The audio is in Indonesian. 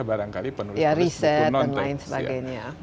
barangkali penulis buku non teks